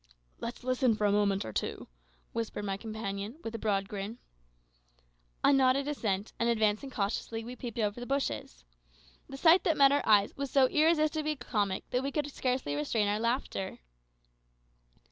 "Let's listen for a minute or two," whispered my companion, with a broad grin. I nodded assent, and advancing cautiously, we peeped over the bushes. The sight that met our eyes was so irresistibly comic that we could scarcely restrain our laughter.